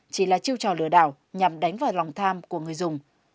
chỉ là chiêu trò lừa đảo nhằm đánh vào lòng tham của người dùng